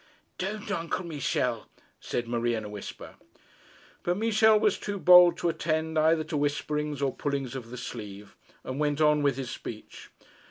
'Don't, Uncle Michel' said Marie in a whisper. But Michel was too bold to attend either to whisperings or pullings of the sleeve, and went on with his speech.